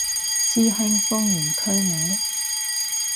師兄封完區未